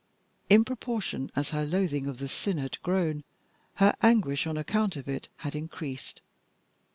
In proportion as her loathing of the sin had grown, her anguish on account of it had increased.